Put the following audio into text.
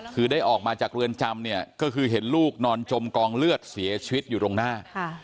คือได้ออกมาจากเรือนจำเนี่ยก็คือเห็นลูกนอนจมกองเลือดเสียชีวิตอยู่ตรงหน้า